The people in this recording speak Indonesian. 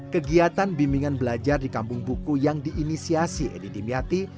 kegiatan bimbingan belajar di kampung buku yang diinisiasi edi dimyati